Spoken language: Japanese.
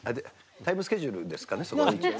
タイムスケジュールですかね。